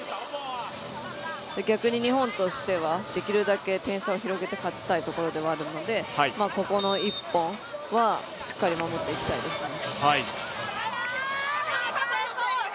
逆に日本としてはできるだけ点差を広げて勝ちたいところではあるのでここの一本はしっかり守っていきたいですね。